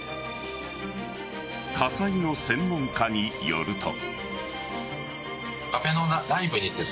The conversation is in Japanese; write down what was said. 火災の専門家によると。